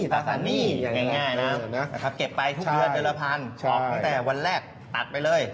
ง่ายนะครับเก็บไปทุกเวลา๑๐๐๐บาทออกตั้งแต่วันแรกตัดไปเลย